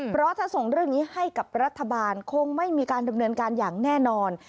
เพราะถ้าส่งเรื่องนี้ให้กับรัฐบาลคงไม่มีการดำเนินการอย่างแน่นอน